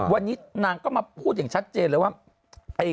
วันนี้นางก็มาพูดอย่างชัดเจนเลยว่า